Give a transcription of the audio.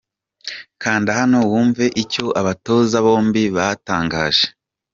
Kanda hano wumve icyo abatoza bombi batangaje .